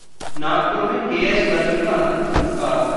नागपुर में K. S. Sudarshan का अंतिम संस्कार